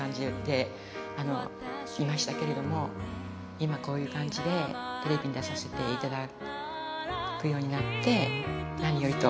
今こういう感じでテレビに出させていただくようになって何よりと。